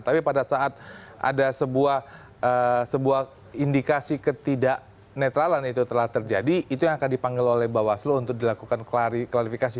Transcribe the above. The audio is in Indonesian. tapi pada saat ada sebuah indikasi ketidak netralan itu telah terjadi itu yang akan dipanggil oleh bawaslu untuk dilakukan klarifikasi